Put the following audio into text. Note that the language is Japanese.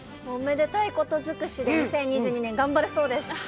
おめでたいこと尽くしで２０２２年頑張れそうです。